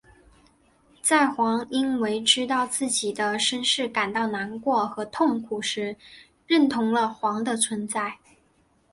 在煌因为知道自己的身世感到难过和痛苦时认同了煌的存在。